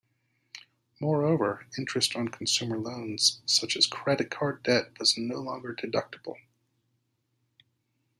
Moreover, interest on consumer loans such as credit card debt was no longer deductible.